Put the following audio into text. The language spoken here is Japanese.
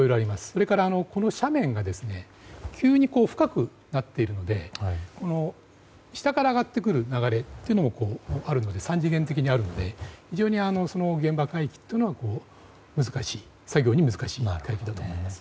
それから、この斜面が急に深くなっているので下から上がってくる流れというのもあるので３次元的にあるので現場海域というのは作業には難しくなる海域だと思います。